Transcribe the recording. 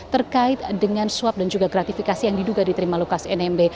terkait dengan swab dan juga gratifikasi yang diduga diterima lukas nmb